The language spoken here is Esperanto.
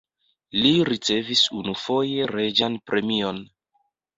Li ricevis unufoje reĝan premion.